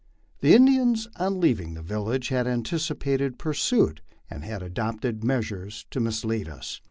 The Indians on leaving the village had anticipated pursuit and had adopted meas ures to mislead us.